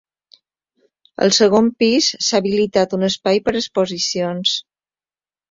Al segon pis s'ha habilitat un espai per a exposicions.